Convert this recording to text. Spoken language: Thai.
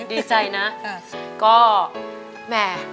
ดีใจดีใจนะ